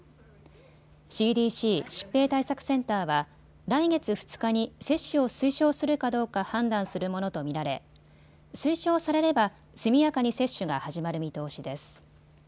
ＣＤＣ・疾病対策センターは来月２日に接種を推奨するかどうか判断するものと見られ、推奨されれば速やかに接種が始まる見通しです。